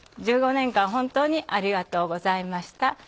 １５年間本当にありがとうございました。